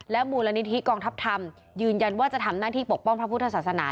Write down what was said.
มูลนิธิกองทัพธรรมยืนยันว่าจะทำหน้าที่ปกป้องพระพุทธศาสนา